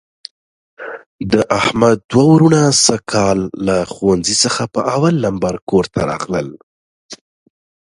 د احمد دوه وروڼه سږ کال له ښوونځي څخه په اول لمبر کورته راغلل.